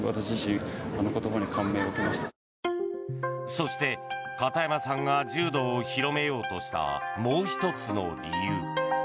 そして片山さんが柔道を広めようとしたもう１つの理由。